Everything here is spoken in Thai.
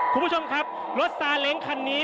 คุณผู้ชมครับรถซาเล้งคันนี้